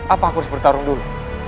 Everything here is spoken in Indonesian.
apa aku harus bertarung dulu